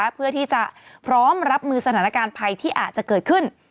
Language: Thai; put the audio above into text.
เพื่อที่จะพร้อมรับมือสถานการณ์ภัยที่อาจจะเกิดขึ้น